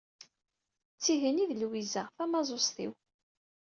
D tihin i d Lwiza, tamaẓuẓt-iw.